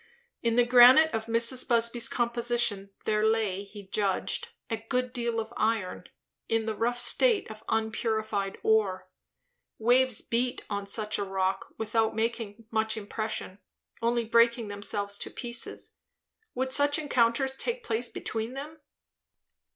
In the granite of Mrs. Busby's composition there lay, he judged, a good deal of iron, in the rough state of unpurified ore. Waves beat on such rock without making much impression, only breaking themselves to pieces. Would such encounters take place between them?